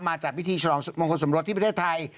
มาจัดพิธีชนะวงค์คนสมรดีที่ประเทศไทย